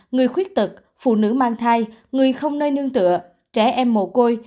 người khuyết tật phụ nữ mang thai người không nơi nương tựa trẻ em mồ côi